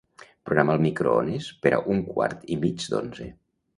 Programa el microones per a un quart i mig d'onze.